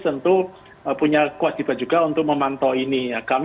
tentu punya kewajiban juga untuk memantau ini